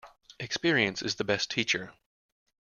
Experience is the best teacher.